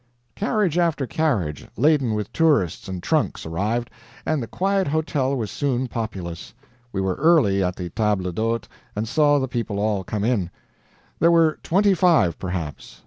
Carriage after carriage, laden with tourists and trunks, arrived, and the quiet hotel was soon populous. We were early at the table d'hôte and saw the people all come in. There were twenty five, perhaps.